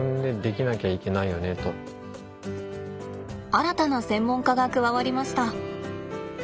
新たな専門家が加わりました。